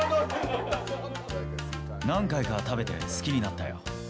何回か食べて好きになったよ。